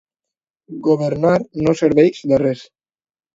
Governar no serveix de res.